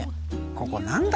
ここ何だ？